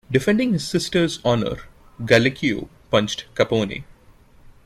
Defending his sister's honor, Gallucio punched Capone.